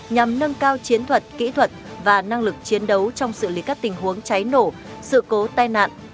nhằm nâng cao chiến thuật kỹ thuật và năng lực chiến đấu trong xử lý các tình huống cháy nổ sự cố tai nạn